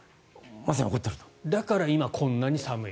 だから今こんなに寒い。